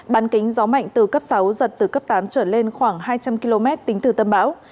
bán kính gió mạnh từ cấp sáu giật từ cấp tám trở lên khoảng hai trăm linh km tính từ tâm bão